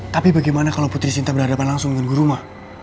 tapi bagaimana kalau putri sinta berhadapan langsung dengan guruma